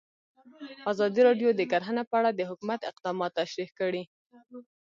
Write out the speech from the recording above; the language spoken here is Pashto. ازادي راډیو د کرهنه په اړه د حکومت اقدامات تشریح کړي.